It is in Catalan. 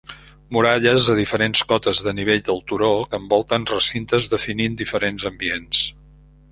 Muralles a diferents cotes de nivell del turó que envolten recintes definint diferents ambients.